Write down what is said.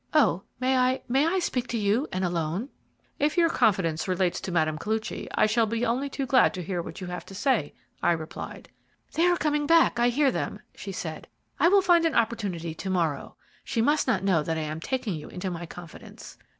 "Oh, may I, may I speak to you and alone?" "If your confidence relates to Mme. Koluchy, I shall be only too glad to hear what you have got to say," I replied. "They are coming back I hear them," she said. "I will find an opportunity to morrow. She must not know that I am taking you into my confidence."